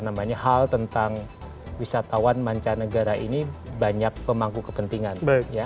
namanya hal tentang wisatawan mancanegara ini banyak pemangku kepentingan